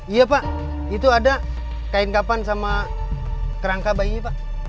iya pak itu ada kain kapan sama kerangka bayinya pak